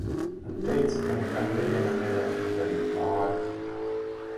Un teica, ka nekad nevienam neļaus man darīt pāri.